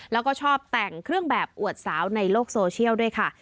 แล้วก็ชอบแต่งเครื่องแบบอวดสาวในโลกโซเชียลด้วยค่ะ